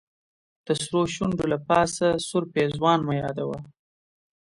د سرو شونډو له پاسه سور پېزوان مه يادوه